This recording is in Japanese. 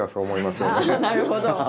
なるほど。